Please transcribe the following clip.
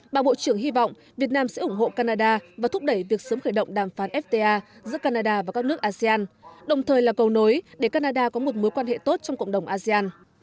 bà bộ trưởng hy vọng việt nam sẽ ủng hộ canada và thúc đẩy việc sớm khởi động đàm phán fta giữa canada và các nước asean đồng thời là cầu nối để canada có một mối quan hệ tốt trong cộng đồng asean